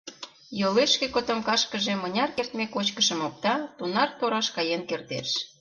Йолешке котомкашкыже мыняр кертме кочкышым опта — тунар тораш каен кертеш.